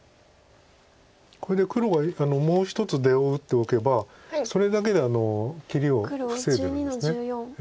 これで黒がもう１つ出を打っておけばそれだけで切りを防いでるんです。